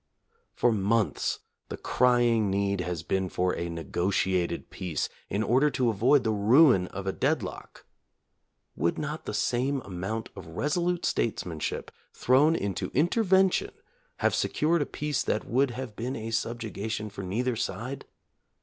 For months the crying need has been for a negotiated peace, in order to avoid the ruin of a deadlock. Would not the same amount of reso lute statesmanship thrown into intervention have secured a peace that would have been a subjuga tion for neither side 4